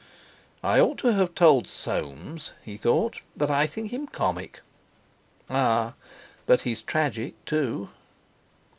"I ought to have told Soames," he thought, "that I think him comic. Ah! but he's tragic, too!"